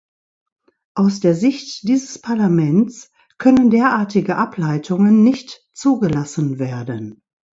Aus der Sicht dieses Parlaments können derartige Ableitungen nicht zugelassen werden.